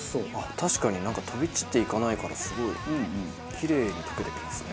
確かに飛び散っていかないからすごいキレイに溶けていきますね。